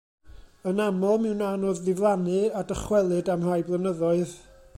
Yn aml, mi wnân nhw ddiflannu a dychwelyd am rai blynyddoedd.